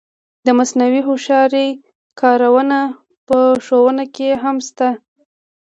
د مصنوعي هوښیارۍ کارونه په ښوونه کې هم شته.